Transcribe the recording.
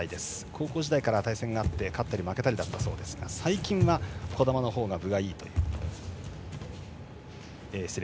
高校時代から対戦があって勝ったり負けたりだったそうですが最近は冨田のほうが分がいいという。